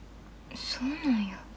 そうなんや。